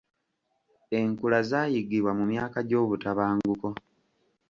Enkula zaayiggibwa mu myaka gy'obutabanguko.